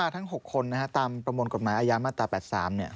ทั้ง๖คนนะครับตามประมวลกฎหมายอายามาตรา๘๓เนี่ย